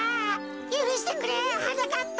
ゆるしてくれはなかっぱ。